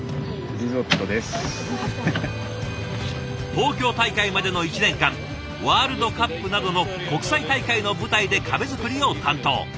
東京大会までの１年間ワールドカップなどの国際大会の舞台で壁作りを担当。